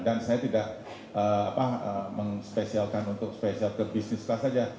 dan saya tidak mengespesialkan untuk spesial ke bisnis class saja